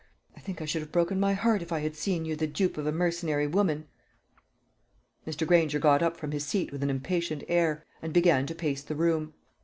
I think I should have broken my heart, if I had seen you the dupe of a mercenary woman." Mr. Granger got up from his seat with an impatient air, and began to pace the room.